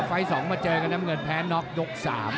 ไฟล์สองมาเจอกับน้ำเงินแพ้น็อคยก๓